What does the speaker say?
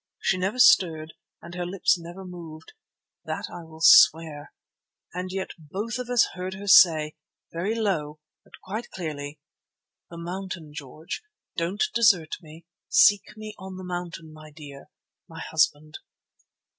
She never stirred, and her lips never moved—that I will swear. And yet both of us heard her say, very low but quite clearly: 'The mountain, George! Don't desert me. Seek me on the mountain, my dear, my husband.